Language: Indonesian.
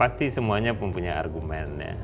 pasti semuanya mempunyai argumen ya